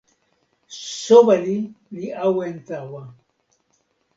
soweli li awen tawa.